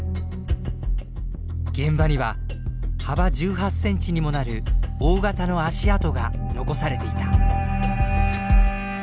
現場には幅１８センチにもなる大型の足跡が残されていた。